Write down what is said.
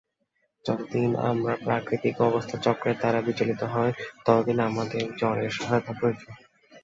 যতদিন আমরা প্রাকৃতিক অবস্থাচক্রের দ্বারা বিচলিত হই, ততদিন আমাদের জড়ের সহায়তা প্রয়োজন।